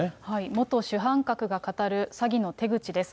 元主犯格が語る詐欺の手口です。